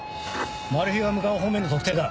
マルヒが向かう方面の特定だ。